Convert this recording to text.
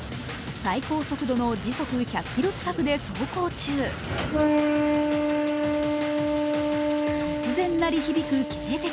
最高速度の時速１００キロ近くで走行中突然鳴り響く警笛。